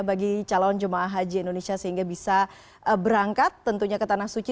bagi calon jemaah haji indonesia sehingga bisa berangkat tentunya ke tanah suci